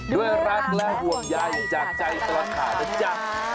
ด้วยรักและห่วงใยจากใจตลอดข่าวนะจ๊ะ